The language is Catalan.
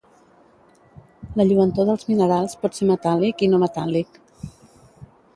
La lluentor dels minerals pot ser metàl·lic i no metàl·lic